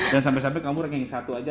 dan sampe sampe kamu renging satu aja